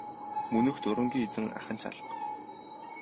Мөнөөх дурангийн эзэн ах ч алга.